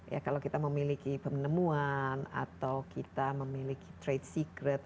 ya kalau kita memiliki penemuan atau kita memiliki trade secret